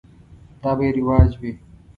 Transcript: دا به یې رواج وي.